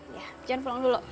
jangan pulang dulu